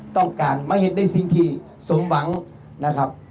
ต้องการมาเห็นในสิ่งที่สมหวังนะครับ